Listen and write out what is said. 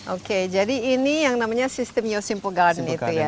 oke jadi ini yang namanya sistem yosimpo garden itu ya